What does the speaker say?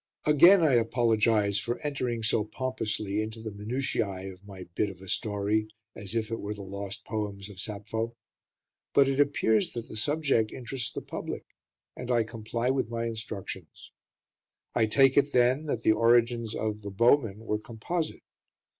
Again I apologise for entering so pompously into the minutiæ of my bit of a story, as if it were the lost poems of Sappho; but it appears that the subject interests the public, and I comply with my instructions. I take it, then, that the origins of "The Bowmen" were composite.